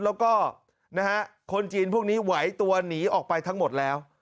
แล้วก็คนจีนพวกนี้ไหวตัวหนีออกไปทั้งหมดแล้ว